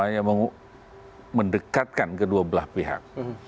hanya mendekatkan kedua belah pihak